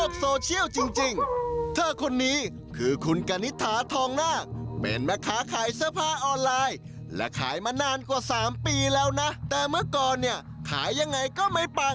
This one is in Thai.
รอดสถานโลกโซเชียลจริงใช่คนนี้คือคุณกันนิทถาทองนาเป็นแมกค้าขายเสื้อภาพออนไลน์และขายมานานกว่า๓ปีแล้วนะแต่เมื่อก่อนเนี่ยขายยังไงก็ไม่ปัง